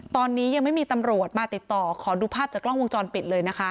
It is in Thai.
ตอนนี้ยังไม่มีตำรวจมาติดต่อขอดูภาพจากกล้องวงจรปิดเลยนะคะ